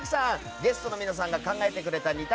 ゲストの皆さんが考えてくれた２択